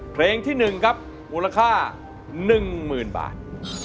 เพลงที่๑ครับมูลค่า๑๐๐๐บาท